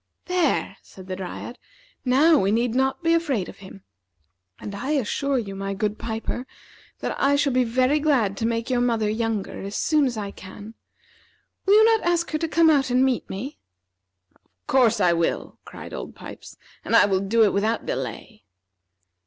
"There," said the Dryad; "now we need not be afraid of him. And I assure you, my good piper, that I shall be very glad to make your mother younger as soon as I can. Will you not ask her to come out and meet me?" "Of course I will," cried Old Pipes; "and I will do it without delay."